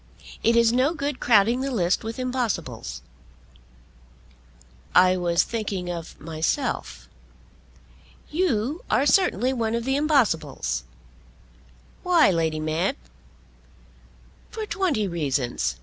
It is no good crowding the list with impossibles." "I was thinking of myself." "You are certainly one of the impossibles." "Why, Lady Mab?" "For twenty reasons.